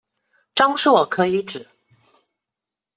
张硕可以指：